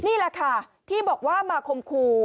นี่แหละค่ะที่บอกว่ามาคมคู่